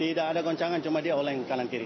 tidak ada goncangan cuma dia oleng kanan kiri